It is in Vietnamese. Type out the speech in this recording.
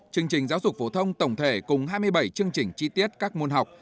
chương trình giáo dục phổ thông tổng thể cùng hai mươi bảy chương trình chi tiết các môn học